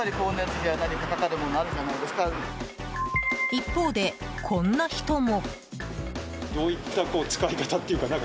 一方で、こんな人も。